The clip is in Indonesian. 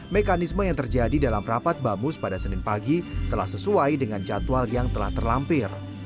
mekanisme yang terjadi dalam rapat bamus pada senin pagi telah sesuai dengan jadwal yang telah terlampir